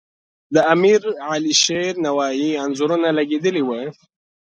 د امیر علیشیر نوایي انځورونه لګیدلي وو.